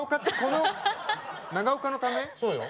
そうよ。